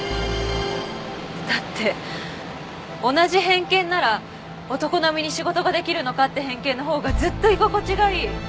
だって同じ偏見なら男並みに仕事が出来るのかって偏見のほうがずっと居心地がいい。